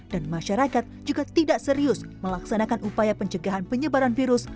dan masyarakat juga tidak serius melaksanakan upaya pencegahan penyebaran virus